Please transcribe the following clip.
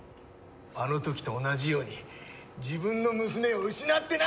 あの時と同じように自分の娘を失ってな！